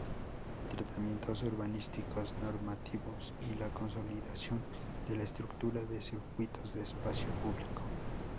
Tratamientos urbanísticos normativos y la consolidación de la estructura de circuitos de espacio público.